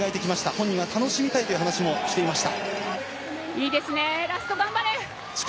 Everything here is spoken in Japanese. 本人は楽しみたいという話もしていました。